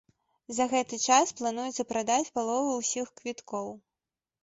За гэты час плануецца прадаць палову ўсіх квіткоў.